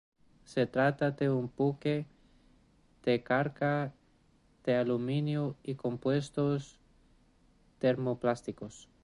Se trata de un buque de carga de aluminio y compuestos termoplásticos.